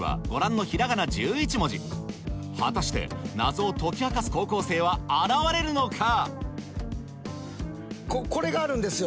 果たして謎を解き明かす高校生は現れるのかこれがあるんですよ